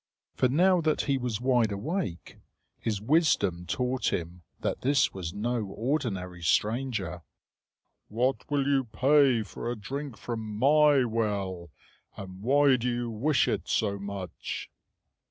For now that he was wide awake, his wisdom taught him that this was no ordinary stranger. "What will you pay for a drink from my well, and why do you wish it so much?"